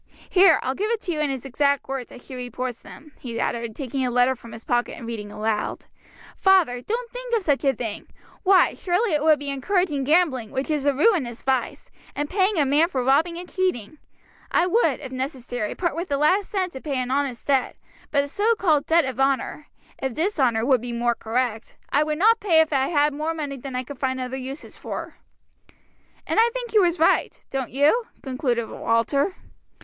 Here, I'll give it to you in his exact words, as she reports them," he added, taking a letter from his pocket and reading aloud, "'Father, don't think of such a thing! Why, surely it would be encouraging gambling, which is a ruinous vice; and paying a man for robbing and cheating. I would, if necessary, part with the last cent to pay an honest debt; but a so called debt of honor (of dishonor would be more correct) I would not pay if I had more money than I could find other uses for.' And I think he was right. Don't you?" concluded Walter.